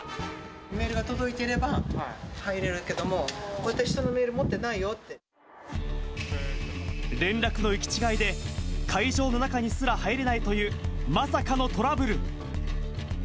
メールが届いてれば入れるけれども、私、連絡の行き違いで、会場の中にすら入れないというまさかのトラブル。